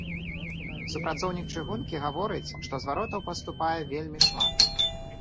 Супрацоўнік чыгункі гаворыць, што зваротаў паступае вельмі шмат.